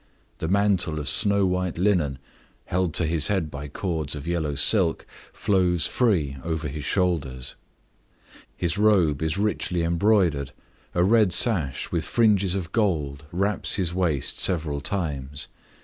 The mantle of snow white linen, held to his head by cords of yellow silk, flows free over his shoulders; his robe is richly embroidered, a red sash with fringes of gold wraps his waist several times.